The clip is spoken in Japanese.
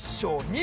２